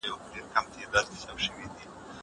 دا شګه له هغه پاکه ده!!